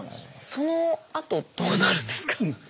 そのあとどうなるんですか？